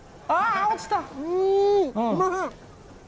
落ちた。